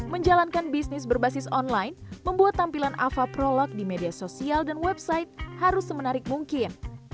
menjalankan bisnis berbasis online membuat tampilan ava prolog di media sosial dan website harus semenarik mungkin